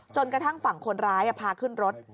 จนกระทั่งฝั่งคนร้ายพาขึ้นรถ